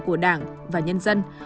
của đảng và nhân dân